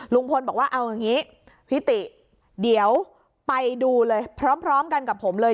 ลุงพลบอกว่าเอาอย่างนี้พี่ติเดี๋ยวไปดูเลยพร้อมกันกับผมเลย